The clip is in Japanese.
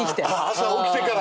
朝起きてから。